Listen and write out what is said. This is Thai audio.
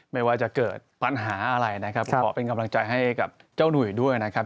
ไม่ว่าจะเกิดปัญหาอะไรนะครับขอเป็นกำลังใจให้กับเจ้าหนุ่ยด้วยนะครับ